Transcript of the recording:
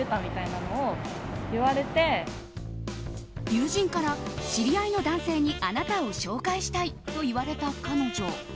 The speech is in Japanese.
友人から、知り合いの男性にあなたを紹介したいと言われた彼女。